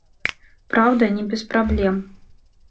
Праўда, не без праблем.